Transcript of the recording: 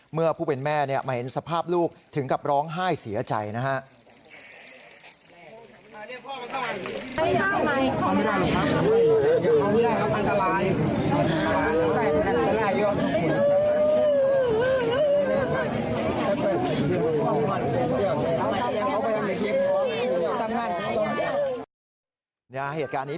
เมื่อผู้เป็นแม่มาเห็นสภาพลูกถึงกับร้องไห้เสียใจนะฮะ